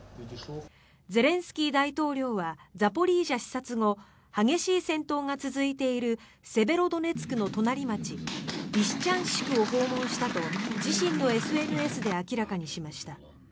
ゼレンスキー大統領はザポリージャ視察後激しい戦闘が続いているセベロドネツクの隣町リシチャンシクを訪問したと明らかにしました。